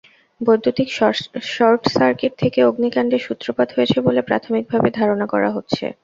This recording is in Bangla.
বৈদ্যুতিক শর্টসার্কিট থেকে অগ্নিকাণ্ডের সূত্রপাত হয়েছে বলে প্রাথমিকভাবে ধারণা করা হচ্ছে।